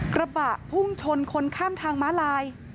กระบะพุ่งชนคนข้ามทางม้าลาย